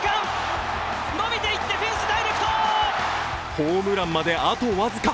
ホームランまであと僅か。